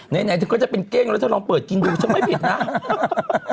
ไหนเธอก็จะเป็นเก้งแล้วเธอลองเปิดกินดูฉันไม่ผิดนะ